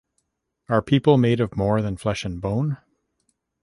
Are people made of more than flesh and bone?